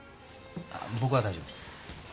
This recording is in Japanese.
僕は大丈夫です。